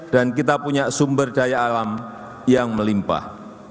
dan kita punya sumber daya alam yang melimpah